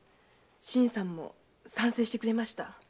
新さんも賛成してくれました。